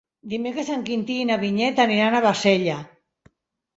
Dimecres en Quintí i na Vinyet aniran a Bassella.